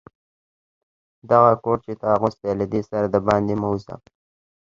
دغه کوټ چي تا اغوستی، له دې سره دباندي مه وزه.